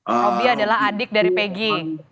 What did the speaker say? robi adalah adik dari pegi